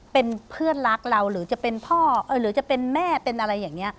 เป็นเพื่อนรักเราหรือจะเป็นพ่อหรือจะเป็นแม่เป็นอะไรอย่างนี้